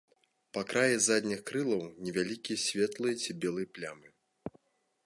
Па краі задніх крылаў невялікія светлыя ці белыя плямы.